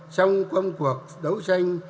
trong công cuộc đấu tranh